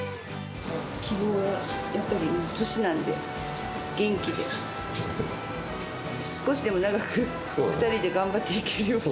希望はやっぱりもう年なんで、元気で、少しでも長く、２人で頑張っていけるように。